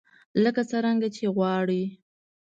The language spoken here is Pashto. لکه څرنګه يې چې غواړئ.